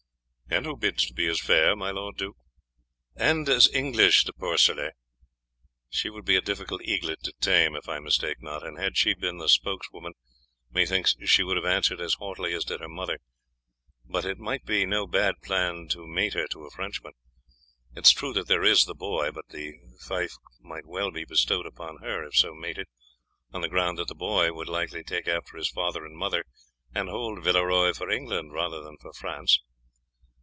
"And who bids to be as fair, my lord duke." "And as English, De Porcelet. She would be a difficult eaglet to tame, if I mistake not; and had she been the spokeswoman, methinks she would have answered as haughtily as did her mother. But it might be no bad plan to mate her to a Frenchman. It is true that there is the boy, but the fief might well be bestowed upon her if so mated, on the ground that the boy would likely take after his father and mother and hold Villeroy for England rather than for France.